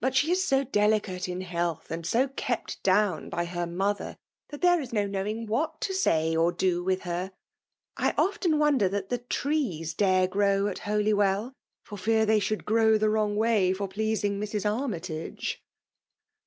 she is so delicate in health, and so kept down by her mother, that there is no knowing what to say or do with her. I. often wonder that the trees date grow VOL. II. I 170 FEMALE DOMINATION. at Hdywell, for fear they should grow the wroBg way for pleasiBg Mrs. Armytage.